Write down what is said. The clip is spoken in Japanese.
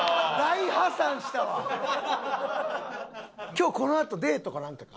今日このあとデートかなんとか？